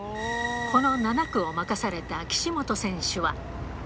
この７区を任された岸本選手